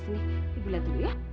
sini ibu lihat dulu ya